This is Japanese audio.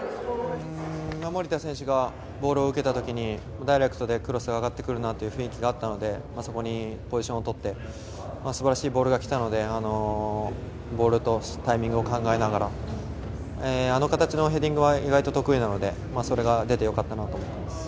守田選手がボールを受けた時にダイレクトでクロスを上げてくるなという雰囲気があったのでそこにポジションをとって素晴らしいボールが来たのでボールとタイミングを考えながらあの形のヘディングは意外と得意なのでそれが出て良かったなと思います。